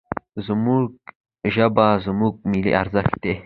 زموږ ژبه، زموږ ملي ارزښت دی.